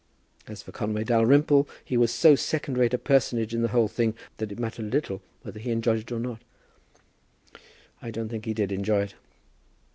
As for Conway Dalrymple, he was so second rate a personage in the whole thing, that it mattered little whether he enjoyed it or not. I don't think he did enjoy it.